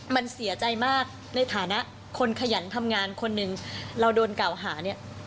มันเสียใจมากในฐานะคนขยันทำงานคนหนึ่งเราโดนเก่าหาเนี่ย